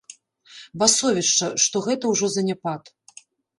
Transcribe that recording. Басовішча, што гэта ўжо заняпад.